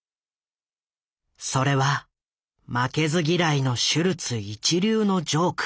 それは負けず嫌いのシュルツ一流のジョーク。